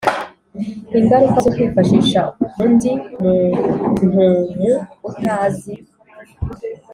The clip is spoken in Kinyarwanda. Ingaruka zokwifashisha undi muntumu utazi